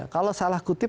kalau salah kutip